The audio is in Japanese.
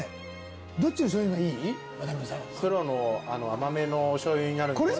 黒の甘めのお醤油になるんですけど。